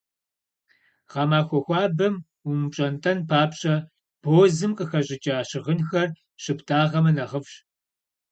Гъэмахуэ хуабэм умыпщӏэнтӏэн папщӏэ, бозым къыхэщӏыкӏа щыгъынхэр щыптӏагъэмэ, нэхъыфӏщ.